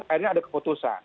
akhirnya ada keputusan